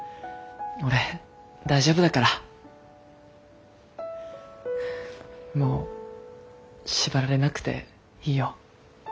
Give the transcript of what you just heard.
俺大丈夫だからもう縛られなくていいよ。